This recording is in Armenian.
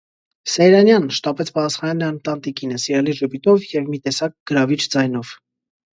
Սեյրանյան,- շտապեց պատասխանել նրան տանտիկինը սիրալիր ժպիտով և մի տեսակ գրավիչ ձայնով: